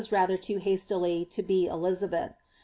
lather too hastily, to be Elizabeth.